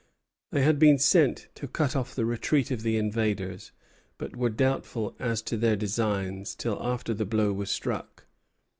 They had been sent to cut off the retreat of the invaders, but were doubtful as to their designs till after the blow was struck.